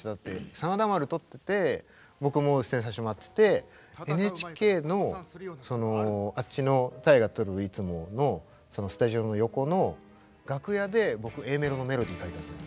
「真田丸」撮ってて僕も出演させてもらっててＮＨＫのあっちの大河撮るいつものスタジオの横の楽屋で僕Ａメロのメロディー書いたんですもん